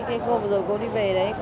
cái cô vừa rồi cô đi về đấy